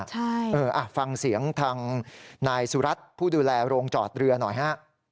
ใช่เอออ่ะฟังเสียงทางนายสุรัตน์ผู้ดูแลโรงจอดเรือหน่อยฮะ